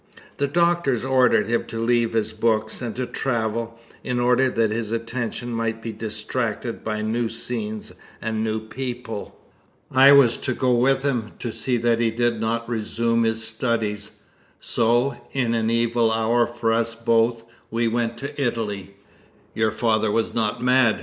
The doctors ordered him to leave his books and to travel, in order that his attention might be distracted by new scenes and new people. I was to go with him, to see that he did not resume his studies, so, in an evil hour for us both, we went to Italy." "Your father was not mad?"